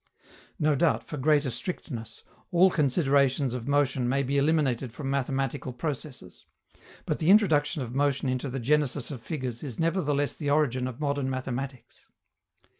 No doubt, for greater strictness, all considerations of motion may be eliminated from mathematical processes; but the introduction of motion into the genesis of figures is nevertheless the origin of modern mathematics.